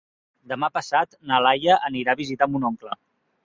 Demà passat na Laia anirà a visitar mon oncle.